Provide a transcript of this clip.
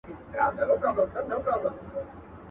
خان به د لویو دښمنیو فیصلې کولې.